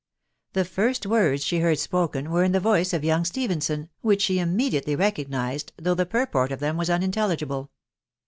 The first words she heard spoken were in the voice of young Stephenson, which she immediately recognised, though the pur port of them was unintelligible.